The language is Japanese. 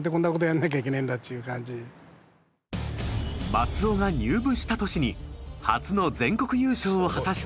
松尾が入部した年に初の全国優勝を果たした目黒。